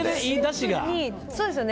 そうですよね。